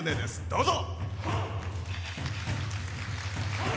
どうぞ。